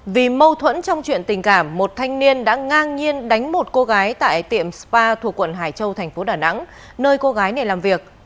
vì mâu thuẫn trong chuyện tình cảm một thanh niên đã ngang nhiên đánh một cô gái tại tiệm spa thuộc quận hải châu thành phố đà nẵng nơi cô gái này làm việc